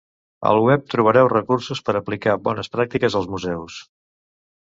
Al web trobareu recursos per aplicar bones pràctiques als museus.